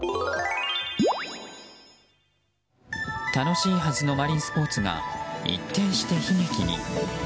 楽しいはずのマリンスポーツが一転して悲劇に。